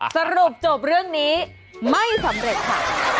สรุปจบเรื่องนี้ไม่สำเร็จค่ะ